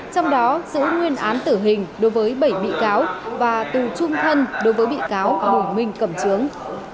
trong đó giữ nguyên án tử hình đối với bảy bị cáo và tù chung thân đối với bị cáo bổ mình cầm chướng